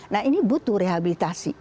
nah ini butuh rehabilitasi